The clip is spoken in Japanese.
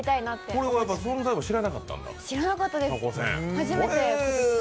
これは存在も知らなかったんだ、たこせん。